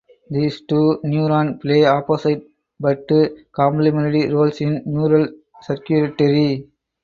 These two neuron play opposite but complimentary roles in neural circuitry.